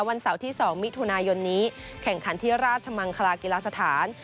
วันเสาร์ที่๒มิถุนายนนี้แข่งขันที่ราชมังคลากีฬาสถาน